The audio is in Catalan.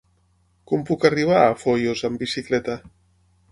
Com puc arribar a Foios amb bicicleta?